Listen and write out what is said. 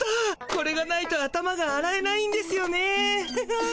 これがないと頭があらえないんですよね。